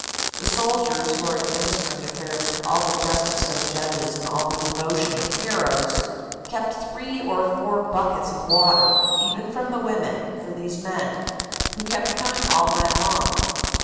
The soldiers, who are administering affairs with all the justice of judges and all the devotion of heroes, kept three or four buckets of water, even from the women, for these men, who kept coming all night long.